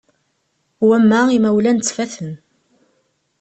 Wamma imawlan ttfaten.